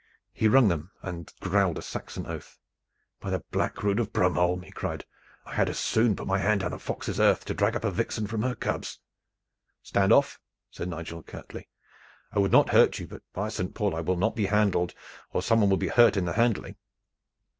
He wrung them and growled a Saxon oath. "By the black rood of Bromeholm!" he cried, "I had as soon put my hand down a fox's earth to drag up a vixen from her cubs." "Standoff!" said Nigel curtly. "I would not hurt you; but by Saint Paul! I will not be handled, or some one will be hurt in the handling."